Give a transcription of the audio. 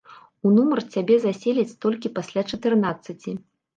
У нумар цябе заселяць толькі пасля чатырнаццаці.